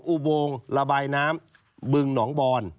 อุโมงระบายน้ำบึงหนองบอน